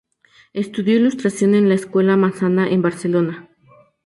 Estudió ilustración en la escuela Massana en Barcelona.